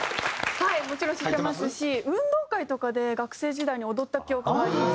はいもちろん知ってますし運動会とかで学生時代に踊った記憶があります。